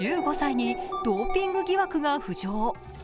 １５歳にドーピング疑惑が浮上。